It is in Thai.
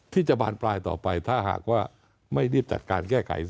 ที่จะบานปลายต่อไปถ้าหากว่าไม่รีบจัดการแก้ไข